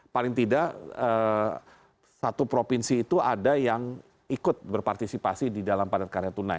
paling tidak satu provinsi itu ada yang ikut berpartisipasi di dalam padat karya tunai